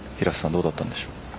どうだったんでしょう？